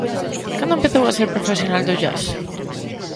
Cando empezou a ser profesional do jazz?